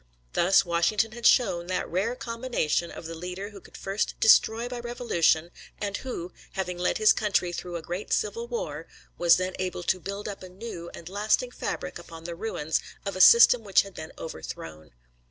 Thus Washington had shown that rare combination of the leader who could first destroy by revolution, and who, having led his country through a great civil war, was then able to build up a new and lasting fabric upon the ruins of a system which had been overthrown.